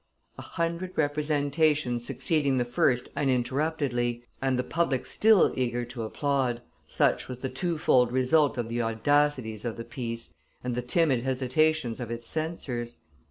A hundred representations succeeding the first uninterruptedly, and the public still eager to applaud, such was the twofold result of the audacities of the piece and the timid hesitations of its censors.